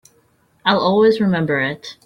I'll always remember it.